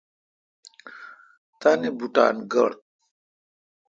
تان بوٹان گوڑ۔